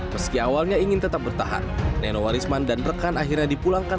meski awalnya ingin tetap bertahan nenowarisman dan rekan akhirnya dipulangkan